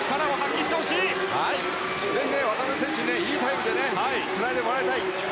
ぜひ渡辺選手にいいタイムでつないでもらいたい。